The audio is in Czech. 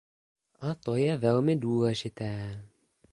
A to je velmi důležité.